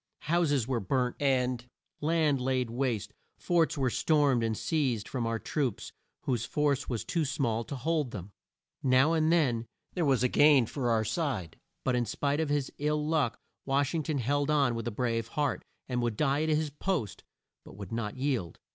Houses were burnt and land laid waste, forts were stormed and seized from our troops whose force was too small to hold them. Now and then there was a gain for our side, but in spite of his ill luck Wash ing ton held on with a brave heart, and would die at his post but would not yield.